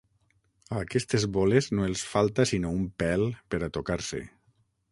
A aquestes boles no els falta sinó un pèl per a tocar-se.